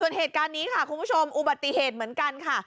ส่วนเหตุการณ์นี้ค่ะคุณผู้ชมอุบัติเหตุเหมือนกันค่ะ